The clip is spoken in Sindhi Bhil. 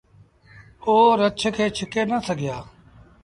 او رڇ کي ڇڪي نآ سگھيآ۔